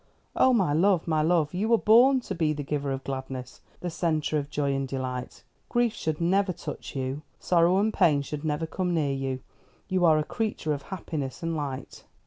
Oh, my love, my love, you were born to be the giver of gladness, the centre of joy and delight. Grief should never touch you; sorrow and pain should never come near you. You are a creature of happiness and light."